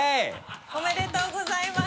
おめでとうございます。